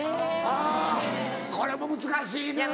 あぁこれも難しいのよな。